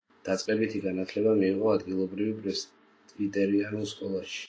დაწყებითი განათლება მიიღო ადგილობრივი პრესვიტერიანულ სკოლაში.